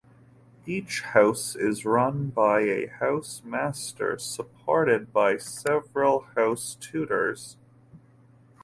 Each House is run by a House-master supported by several house tutors.